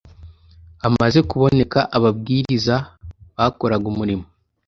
hamaze kuboneka ababwiriza bakoraga umurimo